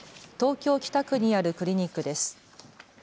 東京北区にあるクリニックです。